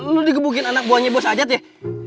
lo dikebukin anak buahnya bos aja tih